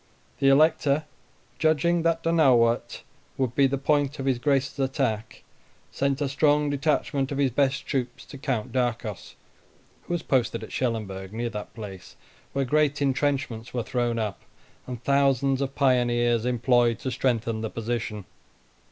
The Elector, judging that Donauwort would be the point of his Grace's attack, sent a strong detachment of his best troops to Count Darcos, who was posted at Schellenberg, near that place, where great intrenchments were thrown up, and thousands of pioneers employed to strengthen the position.